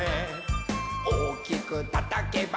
「おっきくたたけば」